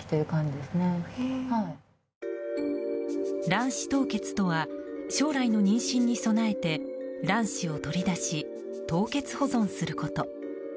卵子凍結とは将来の妊娠に備えて卵子を取り出し凍結保存すること。